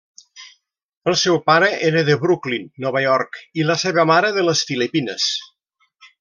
El seu pare era de Brooklyn, Nova York, i la seva mare de les Filipines.